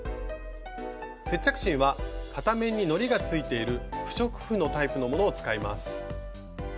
接着芯は片面にのりがついている不織布のタイプのものを使います。